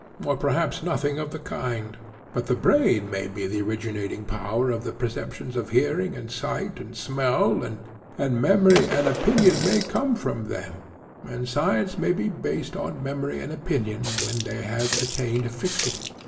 or perhaps nothing of the kind—but the brain may be the originating power of the perceptions of hearing and sight and smell, and memory and opinion may come from them, and science may be based on memory and opinion when they have attained fixity.